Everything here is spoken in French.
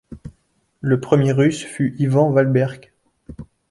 Le premier Russe fut Ivan Valberkh.